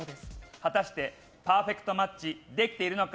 果たしてパーフェクトマッチできているのか。